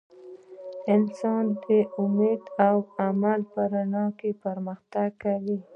انسان د امید او عمل په رڼا کې پرمختګ کوي.